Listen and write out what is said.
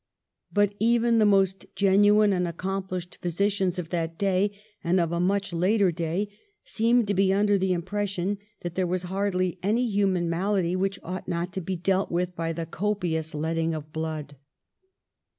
But even the most genuine and accomplished physicians of that day and of a much later day seemed to be under the impression that there was hardly any human malady which ought not to be dealt with by the copious letting of blood.